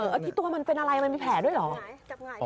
แล้วที่ตัวมันเป็นอะไรมันมีแผลด้วยเหรอ